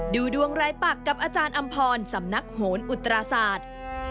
ดูดวงรายปักกับอาจารย์อำพรสำนักโหนอุตราศาสตร์